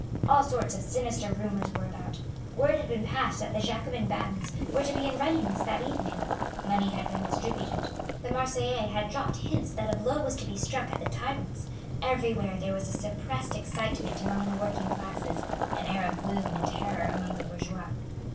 All sorts of sinister rumours were about. Word had been passed that the Jacobin bands were to be in readiness that evening. Money had been distributed. The Marseillais had dropped hints that a blow was to be struck at the tyrants. Everywhere there was a suppressed excitement among the working classes; an air of gloom and terror among the bourgeois.